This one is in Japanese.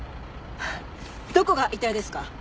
どこが痛いですか？